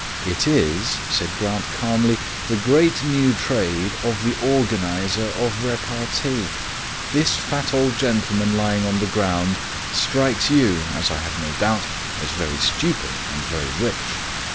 "It is," said Grant calmly, "the great new trade of the Organizer of Repartee. This fat old gentleman lying on the ground strikes you, as I have no doubt, as very stupid and very rich.